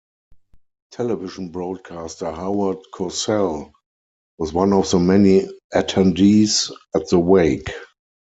Television broadcaster Howard Cosell was one of the many attendees at the wake.